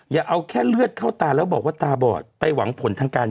อย่าเอาแค่เลือดเข้าตาแล้วบอกว่าตาบอดไปหวังผลทางการ